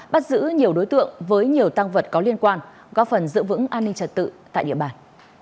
bắt giữ nhiều đối tượng với nhiều tăng vật có liên quan góp phần giữ vững an ninh trật tự tại địa bàn